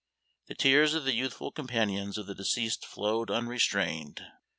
the tears of the youthful companions of the deceased flowed unrestrained.